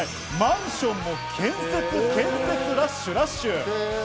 マンションも建設、建設、ラッシュ、ラッシュ！